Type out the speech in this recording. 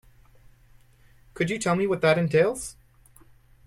Could you tell me what that entails?